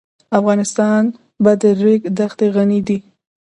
افغانستان په د ریګ دښتې غني دی.